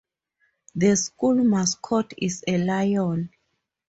The school mascot is a lion.